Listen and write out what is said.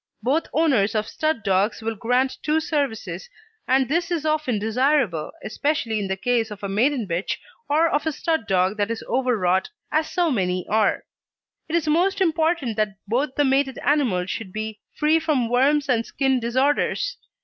Some owners of stud dogs will grant two services, and this is often desirable, especially in the case of a maiden bitch or of a stud dog that is over wrought, as so many are. It is most important that both the mated animals should be free from worms and skin disorders.